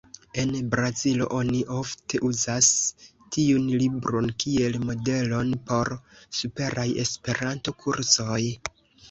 En Brazilo oni ofte uzas tiun libron kiel modelon por superaj Esperanto-kursoj.